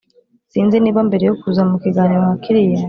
Sinzi niba mbere yo kuza mu kiganiro nka kiriya,